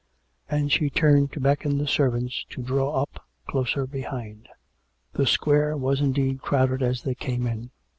And she turned to beckon the servants to draw up closer behind. The square was indeed crowded as they came in.